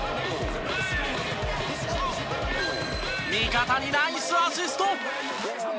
味方にナイスアシスト！